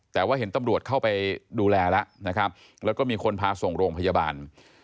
แต่ว่าเห็นตำรวจเข้าไปดูแลแล้วนะครับแล้วก็มีคนพาส่งโรงพยาบาล